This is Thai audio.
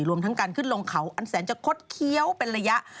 รวมทั้งการขึ้นลงเขาอันแสนจะคดเคี้ยวเป็นระยะ